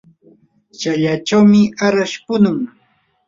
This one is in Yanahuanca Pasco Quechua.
shallachawmi arash punun.